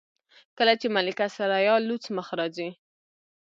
کله چې ملکه ثریا لوڅ مخ راځي.